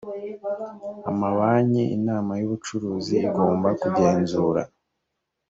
amabanki inama y ubuyobozi igomba kugenzura